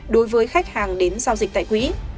đối với khách hàng đến giao dịch tại quỹ